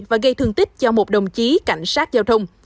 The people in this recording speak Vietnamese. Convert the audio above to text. và gây thương tích cho một đồng chí cảnh sát giao thông